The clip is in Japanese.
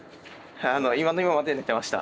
今の今まで寝てました。